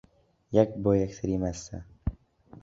یەک بۆ یەکتری مەستە